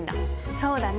そうだね。